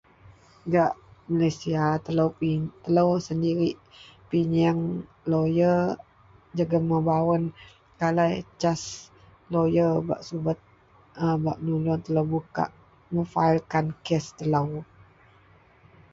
Gak Malaysia telo sendirik pinyeng loya jegem membawen kalai caj loya bak subet a bak menolong membukak mepailkan kes telo.